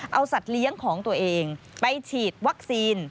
เอาสัตว์เลี้ยงของตัวเองไปฉีดวัคซีน